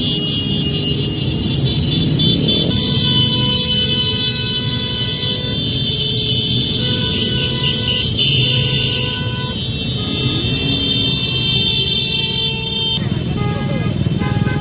สุดท้ายสุดท้ายสุดท้ายสุดท้าย